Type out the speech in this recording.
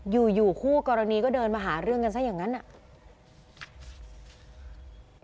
อยู่อยู่คู่กรณีก็เดินมาหาเรื่องกันซะอย่างนั้นอ่ะ